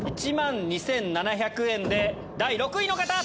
１万２７００円で第６位の方！